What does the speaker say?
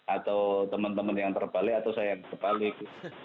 atau teman teman yang terbalik atau saya yang terbalik